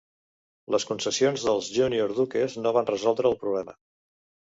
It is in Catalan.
Les concessions dels Junior Dukes no van resoldre el problema.